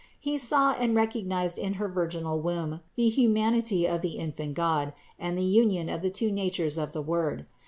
He saw and recognized in her virginal womb the humanity of the infant God and the union of the two natures of the Word.